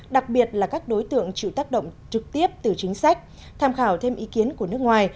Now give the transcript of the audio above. đặc biệt là các đối tượng chịu tác động trực tiếp từ chính sách tham khảo thêm ý kiến của nước ngoài